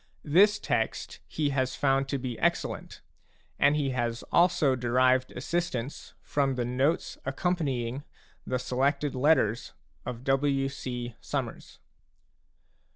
This text he has found to be excellent, and he has also derived assistance from the notes accompanying the Selected Letters of W. C. Summers.